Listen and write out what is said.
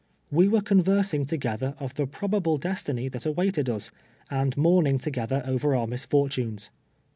We were conversing together of the probable destiny that awaited us, and mourning together over our misfortunes.